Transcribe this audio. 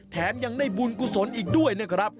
แถมยังได้บุญกุศลอีกด้วยนะครับ